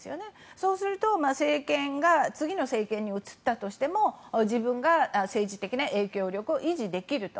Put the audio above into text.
そうすると政権が次の政権に移ったとしても自分が政治的な影響力を維持できると。